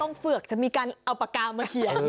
เฝือกจะมีการเอาปากกามาเขียน